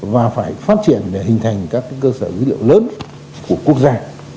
và phải phát triển để hình thành các cơ sở dữ liệu lớn của quốc gia